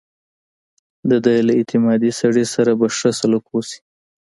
د ده له اعتمادي سړي سره به ښه سلوک وشي.